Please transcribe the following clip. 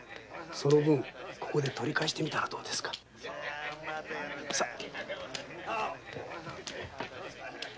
その分取り返してみたらどうですかさぁ。